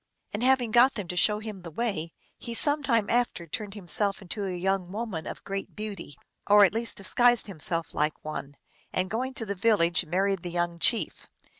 And having got them to show him the way, he some time after turned himself into a young woman of great beauty, or at least disguised himself like one, and going to the village married the young chief.